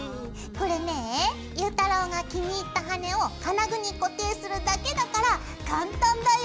これねえゆうたろうが気に入った羽根を金具に固定するだけだから簡単だよ！